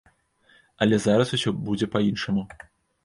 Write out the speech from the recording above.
Але зараз усё будзе па-іншаму.